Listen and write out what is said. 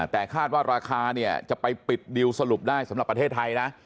แต่คาดว่าราคาเนี่ยจะไปปิดดิวสรุปได้สำหรับประเทศไทยนะ